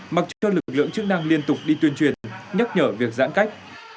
mặc cho lực lượng chức năng liên tục đi tuyên truyền nhắc nhở việc giãn cách